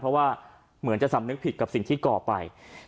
เพราะว่าเหมือนจะสำนึกผิดกับสิ่งที่ก่อไป